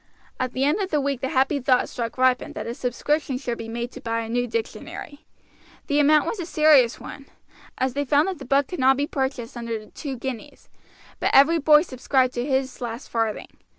At the end of a week the happy thought struck Ripon that a subscription should be made to buy a new dictionary. The amount was a serious one, as they found that the book could not be purchased under two guineas; but every boy subscribed to his last farthing.